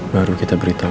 baru kita beritahu